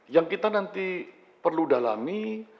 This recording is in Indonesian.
yang kita nanti perlu dalami